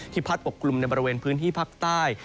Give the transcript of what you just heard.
พัดปกกลุ่มในบริเวณพื้นที่ภาคใต้